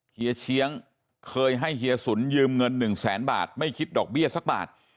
เฮียเชียงเคยให้เฮียสุนยืมเงิน๑แสนบาทไม่คิดดอกเบี้ยสักบาท